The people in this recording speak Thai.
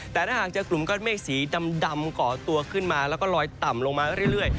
แต่ถ้าหากเจอกลุ่มก้อนเมฆสีดำก่อตัวขึ้นมาแล้วก็ลอยต่ำลงมาเรื่อย